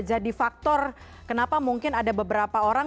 jadi faktor kenapa mungkin ada beberapa orang